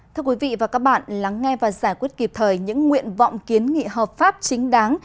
thưa quý vị và các bạn lắng nghe và giải quyết kịp thời những nguyện vọng kiến nghị hợp pháp chính đáng